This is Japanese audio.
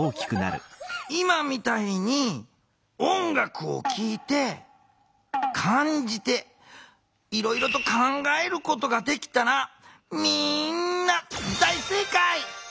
今みたいに音楽を聴いて感じていろいろと考えることができたらみんな大正解！